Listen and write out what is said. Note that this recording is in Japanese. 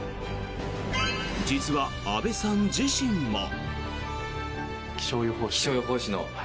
実は阿部さん自身も。